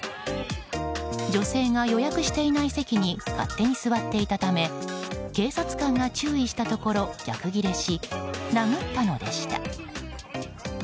女性が予約していない席に勝手に座っていたため警察官が注意したところ逆ギレし殴ったのでした。